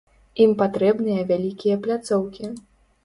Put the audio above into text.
Ім патрэбныя вялікія пляцоўкі.